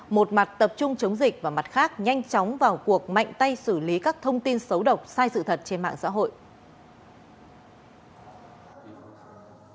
một mặt tập trung chống dịch và mặt khác nhanh chóng vào cuộc mạnh tay xử lý các thông tin xấu độc sai sự thật trên mạng xã hội